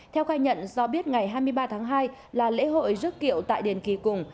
theo khai nhận do biết ngày hai mươi ba tháng hai là lễ hội rước kiệu tại đền kỳ cùng